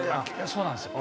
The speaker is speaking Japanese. そうなんですよ。